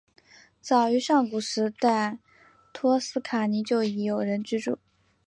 早于上古时代托斯卡尼就已有人居住。